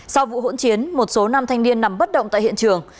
sau vụ hỗn chiến một số nam thanh niên nằm bất động tại hiện trường